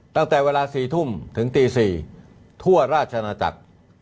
ตั้งแต่เวลา๔ทุ่มถึงตี๔ทั่วราชนาจักร